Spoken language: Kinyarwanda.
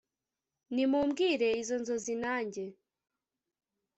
nimumbwire izo nzozi nanjye